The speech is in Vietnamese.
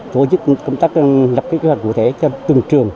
chúng tôi đã phù hợp với công tác lập kế hoạch cụ thể cho từng trường